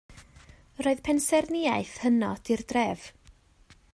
Roedd pensaernïaeth hynod i'r dref.